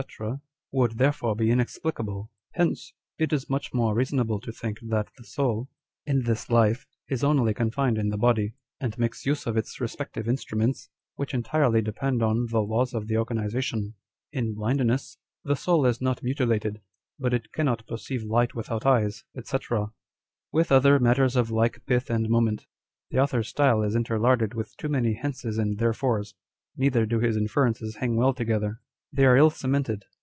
would therefore be inexplicable. 1 Page 56. On Dr. Spurzheims Theory. 195 Hence, it is much more reasonable to think that the soul, in this life, is only confined in the body, and makes use of its respective instruments, which entirely depend on the laws of the organization. In blindness, the soul is not mutilated, but it cannot perceive light without eyes, &c." with other matters of like pith and moment. The author's style is interlarded with too many hences and there/ores ; neither do his inferences hang well together. They arc ill cemented.